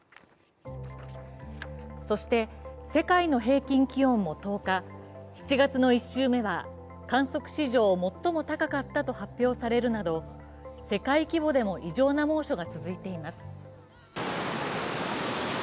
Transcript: そして、世界の平均気温も１０日、７月の１週目は観測史上最も高かったと発表されるなど、世界規模でも異常な猛暑が続いています。